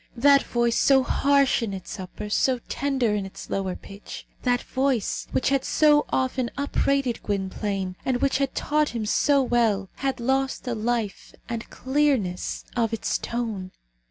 That voice, so harsh in its upper, so tender in its lower, pitch; that voice, which had so often upbraided Gwynplaine, and which had taught him so well, had lost the life and clearness of its tone.